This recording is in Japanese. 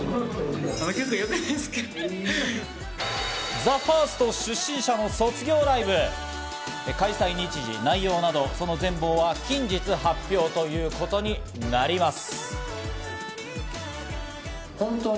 ＴＨＥＦＩＲＳＴ出身者の卒業ライブ、開催日時、内容など、その全貌は近日発表ということになります。